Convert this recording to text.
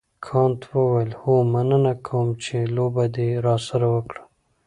کانت وویل هو مننه کوم چې لوبه دې راسره وکړه.